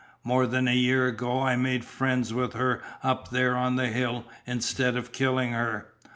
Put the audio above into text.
"More than a year ago I made friends with her up there on the hill instead of killing her.